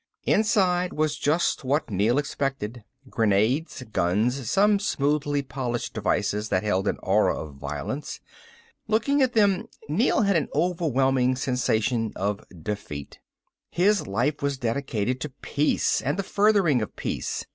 Inside was just what Neel expected. Grenades, guns, some smoothly polished devices that held an aura of violence. Looking at them, Neel had an overwhelming sensation of defeat. His life was dedicated to peace and the furthering of peace.